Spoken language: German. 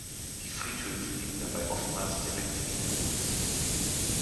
Die Friedhöfe liegen dabei oftmals direkt hinter der Küste.